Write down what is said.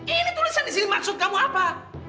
ini tulisan di sini maksud kamu apa